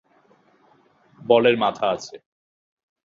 বলের মাথা আছে!